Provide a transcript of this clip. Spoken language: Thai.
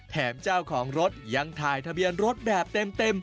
เจ้าของรถยังถ่ายทะเบียนรถแบบเต็ม